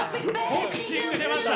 ボクシング出ました！